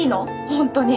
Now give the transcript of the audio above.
本当に。